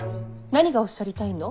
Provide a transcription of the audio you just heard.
何がおっしゃりたいの。